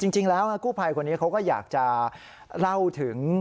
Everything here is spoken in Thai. จริงแล้วกู้ภัยคนนี้เขาก็อยากจะเล่าถึง